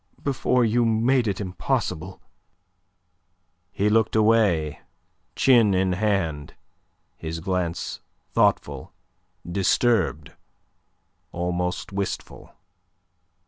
before you made it impossible." He looked away, chin in hand, his glance thoughtful, disturbed, almost wistful.